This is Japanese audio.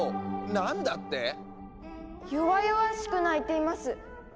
何だって⁉弱々しく鳴いています。